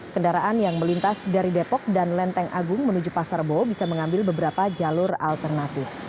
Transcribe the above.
kendaraan yang melintas dari depok dan lenteng agung menuju pasarbo bisa mengambil beberapa jalur alternatif